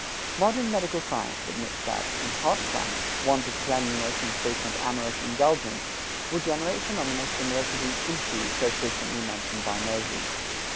Modern medical science admits that, in hot climates, want of cleanliness and frequent amorous indulgence will generate phenomena similar to the "issue" so frequently mentioned by Moses.